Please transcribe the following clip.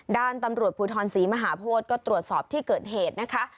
ด้านตำรวจภูทรศรีมหาโพธิก็ตรวจสอบที่เกิดเหตุนะคะ